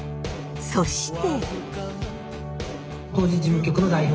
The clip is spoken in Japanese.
そして。